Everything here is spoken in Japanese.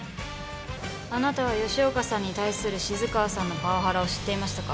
あなたは吉岡さんに対する静川さんのパワハラを知っていましたか？